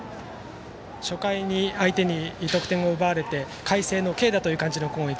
初回に相手に得点を奪われて海星の軽打という感じの攻撃。